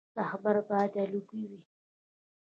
رهبر باید الګو وي